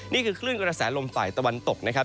นี่คือคลื่นกระแสลมฝ่ายตะวันตกนะครับ